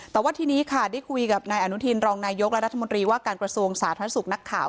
แต่ว่าทีนี้ค่ะได้คุยกับนายอนุทินรองนายกและรัฐมนตรีว่าการกระทรวงสาธารณสุขนักข่าว